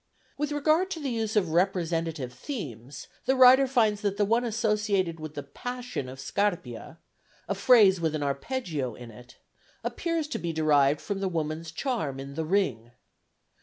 With regard to the use of representative themes, the writer finds that the one associated with the passion of Scarpia a phrase with an arpeggio in it, appears to be derived from the woman's charm in the "Ring."